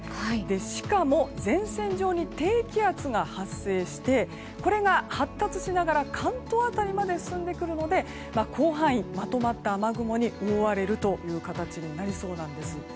しかも前線上に低気圧が発生してこれが発達しながら関東辺りまで進んでくるので広範囲、まとまった雨雲に覆われる形になりそうです。